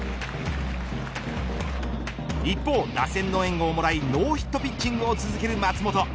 一方、打線の援護をもらいノーヒットピッチングを続ける松本。